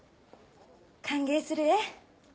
歓迎するえ